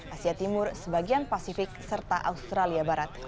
asia timur sebagian pasifik serta australia barat